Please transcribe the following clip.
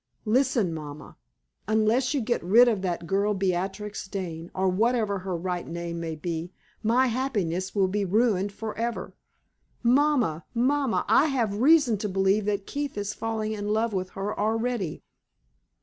Listen, mamma. Unless you get rid of that girl Beatrix Dane or whatever her right name may be my happiness will be ruined forever. Mamma! mamma! I have reason to believe that Keith is falling in love with her already!"